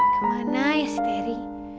kemana ya si terry